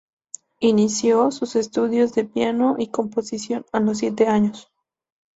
Inició sus estudios de piano y composición a los siete años.